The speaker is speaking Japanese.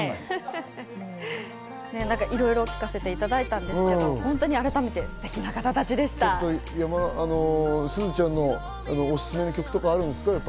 いろいろ聴かせていただいたんですけれども、改めてすてきな方々すずちゃんのおすすめの曲とかあるんですか？